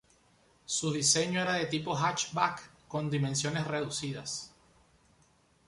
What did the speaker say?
Su diseño era de tipo hatchback, con dimensiones reducidas.